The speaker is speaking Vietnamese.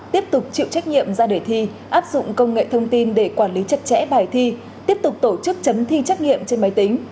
tiếp tục chịu trách nhiệm ra đời thi